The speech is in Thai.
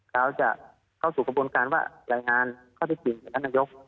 เขาจะเข้าสู่กระบวนการว่ารายงานก็ไม่จริงเหมือนรัฐนาโยค